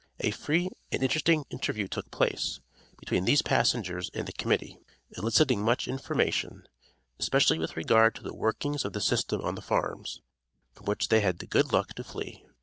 A free and interesting interview took place, between these passengers and the Committee, eliciting much information, especially with regard to the workings of the system on the farms, from which they had the good luck to flee.